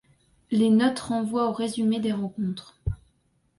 Les notes renvoient aux résumés des rencontres.